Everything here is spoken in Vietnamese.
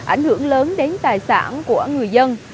ảnh hưởng lớn đến tài sản của người dân